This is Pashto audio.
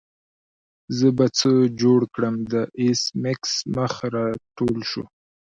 زه به څه جوړ کړم د ایس میکس مخ راټول شو